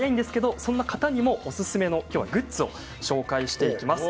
そんな方にも、おすすめのグッズをご紹介します。